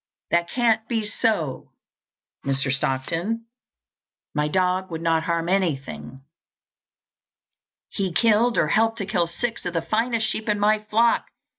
"That can't be so, Mr. Stockton. My dog would not harm anything." "He killed or helped to kill six of the finest sheep in my flock!"